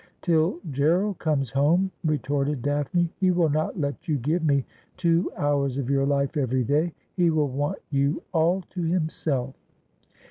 ' Till G erald comes home,' retorted Daphne ;' he will not let you give me two hours of your life every day. He will want you all to himself.'